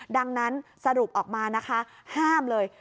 ดังนั้นสรุปออกมานะคะห้ามเลย